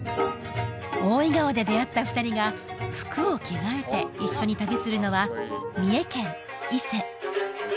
大井川で出会った二人が服を着替えて一緒に旅するのは三重県伊勢